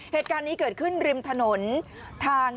เหตุการณ์นี้เกิดขึ้นริมถนนทาง